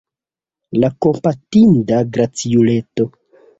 Kompatinda graciuleto!